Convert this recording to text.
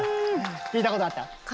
聞いたことあった？